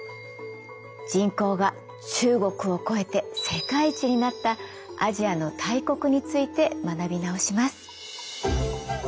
人口が中国を超えて世界一になったアジアの大国について学び直します。